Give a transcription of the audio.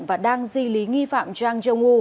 và đang di lý nghi phạm zhang zhongwu